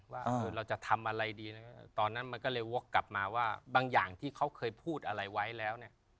ว่าเราจะทำอะไรดีนะครับตอนนั้นมันก็เลยวกกลับมาว่าบางอย่างที่เขาเคยพูดอะไรไว้แล้วเนี่ย